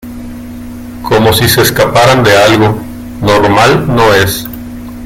como si se escaparan de algo. normal no es .